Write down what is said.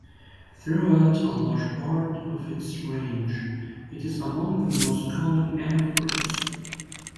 Throughout a large part of its range, it is among the most common antbirds.